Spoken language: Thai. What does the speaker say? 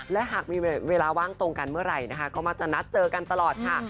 และหากมีเวลาว่างตรงกันเมื่อไหร่นะคะก็มักจะนัดเจอกันตลอดค่ะ